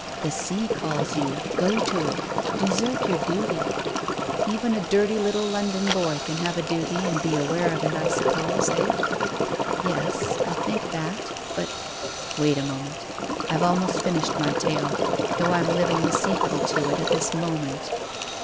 The sea calls you. Go to it. Desert your duty !' Even a dirty little London boy can have a duty and be aware of it, I sup pose. Eh ?"" Yes. I think that. But—" " Wait a moment. I've nearly finished my tale, though I'm living the sequel to it at this moment.